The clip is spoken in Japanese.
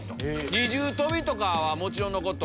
二重跳びはもちろんのこと